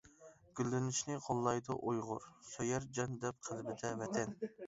گۈللىنىشنى قوللايدۇ ئۇيغۇر، سۆيەر جان دەپ قەلبىدە ۋەتەن.